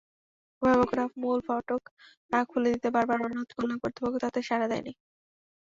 অভিভাবকেরা মূল ফটক খুলে দিতে বারবার অনুরোধ করলেও কর্তৃপক্ষ তাতে সাড়া দেয়নি।